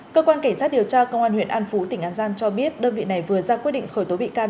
cơ quan cảnh sát điều tra công an huyện an phú tỉnh an giang cho biết đơn vị này vừa ra quyết định khởi tố bị can